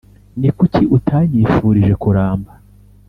ni kuki utanyifurije kuramba